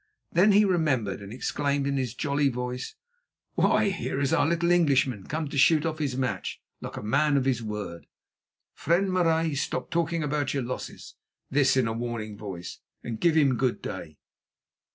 Then he remembered and exclaimed in his jolly voice: "Why! here is our little Englishman come to shoot off his match like a man of his word. Friend Marais, stop talking about your losses"—this in a warning voice—"and give him good day."